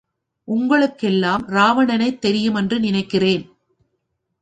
உங்களுக்கெல்லாம் ராவணனைத் தெரியும் என்று நினைக்கிறேன்.